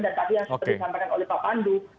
dan sebagai yang seperti yang disampaikan oleh pak pandu